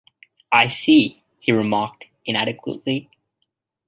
“I see,” he remarked inadequately.